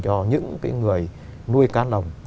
cho những cái người nuôi cá lồng